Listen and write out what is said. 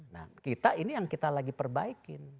nah kita ini yang kita lagi perbaikin